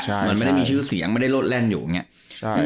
เหมือนไม่ได้มีชื่อเสียงไม่ได้โลดแล่นอยู่อย่างนี้